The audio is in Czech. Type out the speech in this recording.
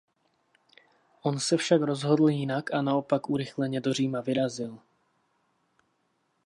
On se však rozhodl jinak a naopak urychleně do Říma vyrazil.